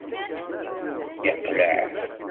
Yeqleɛ.